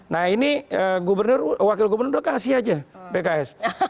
nah ini gubernur wakil gubernur udah kasih aja pks